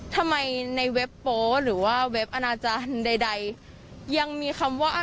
ทำไมในเว็บโป๊หรือว่าเว็บอนาจารย์ใดยังมีคำว่า